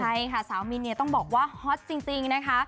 ใช่ค่ะสาวมินเนี่ยต้องบอกว่าฮอตจริงนะคะ